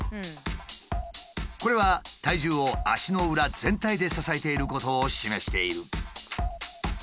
これは体重を足の裏全体で支えていることを示している。